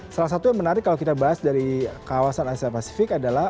salah satu yang menarik kalau kita bahas dari kawasan asia pasifik adalah